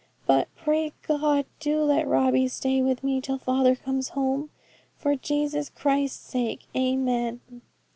But, pray God, do let Robbie stay with me till father comes home; for Jesus Christ's sake. Amen.'